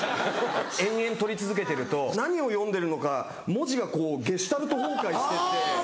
延々とり続けてると何を読んでるのか文字がこうゲシュタルト崩壊してって。